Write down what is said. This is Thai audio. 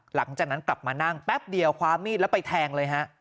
หลังจากนั้นกลับมานั่งแป๊บเดียวคว้ามีดแล้วไปแทงเลยฮะ